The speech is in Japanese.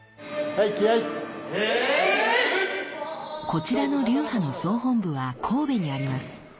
こちらの流派の総本部は神戸にあります。